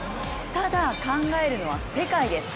ただ考えるのは世界です。